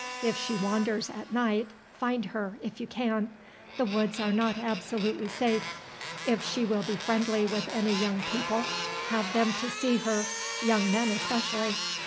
If she wanders at night, find her, if you can; the woods are not absolutely safe. If she will be friendly with any young people, have them to see her, young men especially.